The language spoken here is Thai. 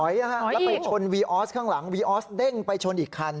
แล้วไปชนวีออสข้างหลังวีออสเด้งไปชนอีกคัน